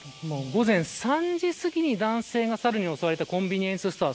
午前３時すぎに男性がサルに襲われたコンビニエンスストア